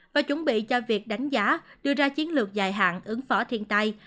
và chuẩn bị cho việc đánh giá đưa ra chiến lược dài hạn ứng phó thiên tai